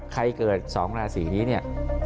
ใครเกิด๒ราศีนี้